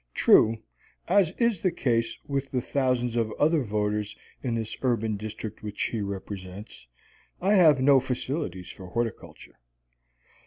True, as is the case with the thousands of other voters in this urban district which he represents, I have no facilities for horticulture.